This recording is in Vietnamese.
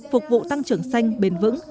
phục vụ tăng trưởng xanh bền vững